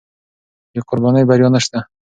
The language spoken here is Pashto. بې قربانۍ بریا نشته.